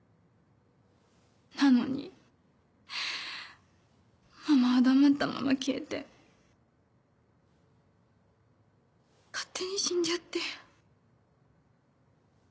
なのにママは黙ったまま消えて勝手に死んじゃって。